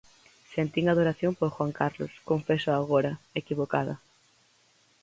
Sentín adoración por Juan Carlos, confésoo agora, equivocada.